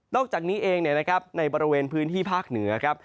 อกจากนี้เองในบริเวณพื้นที่ภาคเหนือครับ